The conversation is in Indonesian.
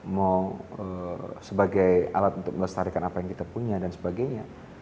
mau sebagai alat untuk melestarikan apa yang kita punya dan sebagainya